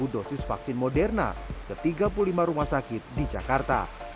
dua puluh dosis vaksin moderna ke tiga puluh lima rumah sakit di jakarta